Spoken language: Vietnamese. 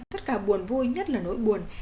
tất cả buồn vui nhất là nỗi buồn